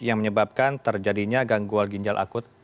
yang menyebabkan terjadinya gangguan ginjal akut